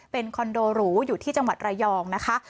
เป็นคอนโดหรูอยู่ที่จังหวัดระยองนะคะ